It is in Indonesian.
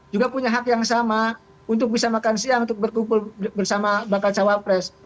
juga punya hak yang sama untuk bisa makan siang untuk berkumpul bersama bakal cawapres